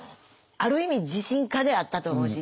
ある意味自信家であったと思うし。